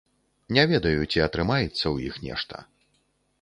Не ведаю, ці атрымаецца ў іх нешта.